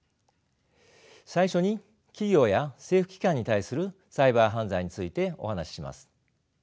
最初に企業や政府機関に対するサイバー犯罪についてお話しします。